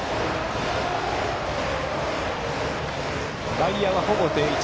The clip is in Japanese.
外野は、ほぼ定位置。